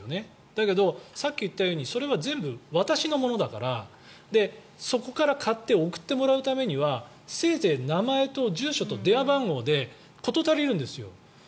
だけど、さっき言ったようにそれは全部私のものだからそこから買って送ってもらうためにはせいぜい名前と住所と電話番号で事足りるんですよ。